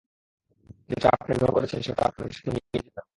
যেটা আপনি গ্রহণ করেছেন, সেটা আপনার সাথে নিয়ে যেতে হবে।